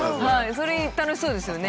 それ楽しそうですよね。